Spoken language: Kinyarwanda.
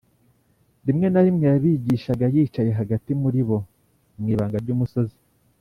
Rimwe na rimwe yabigishaga yicaye hagati muri bo mw’ibanga ry’umusozi